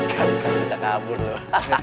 kan kita bisa kabur tuh